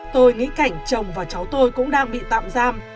tôi nghĩ cảnh chồng và cháu tôi cũng đang bị tạm giam